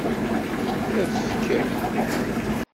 Efk.